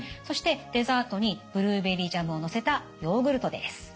そしてデザートにブルーベリージャムをのせたヨーグルトです。